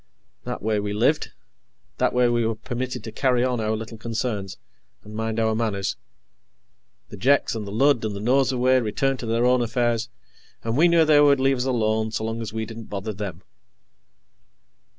That way, we lived. That way, we were permitted to carry on our little concerns, and mind our manners. The Jeks and the Lud and the Nosurwey returned to their own affairs, and we knew they would leave us alone so long as we didn't bother them.